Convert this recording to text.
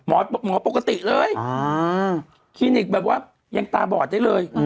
หมอปกติเลยคลินิกแบบว่ายังตาบอดได้เลย